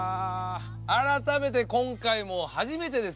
改めて今回も初めてですよ。